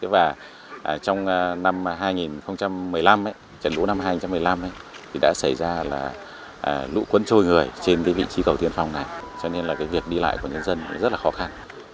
và trong năm hai nghìn một mươi năm trận lũ năm hai nghìn một mươi năm thì đã xảy ra là lũ cuốn trôi người trên vị trí cầu tiên phong này cho nên là cái việc đi lại của nhân dân rất là khó khăn